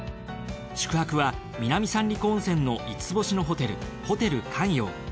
宿泊は南三陸温泉の５つ星のホテルホテル観洋。